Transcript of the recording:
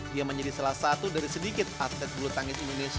dia menjadi salah satu dari sedikit atlet bulu tangkis indonesia